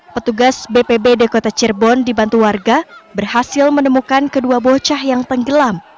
petugas bpbd kota cirebon dibantu warga berhasil menemukan kedua bocah yang tenggelam